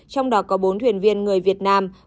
trong đó có bốn thuyền viên người việt nam